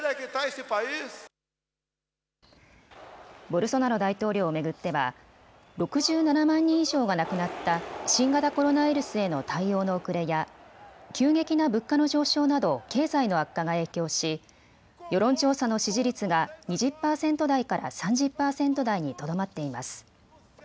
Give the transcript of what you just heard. ボルソナロ大統領を巡っては６７万人以上が亡くなった新型コロナウイルスへの対応の遅れや急激な物価の上昇など経済の悪化が影響し世論調査の支持率が２０％台から３０％台にとどまっています。